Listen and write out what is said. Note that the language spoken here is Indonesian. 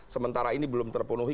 sementara ini belum terpenuhi